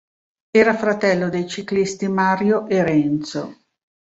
Era fratello dei ciclisti Mario e Renzo.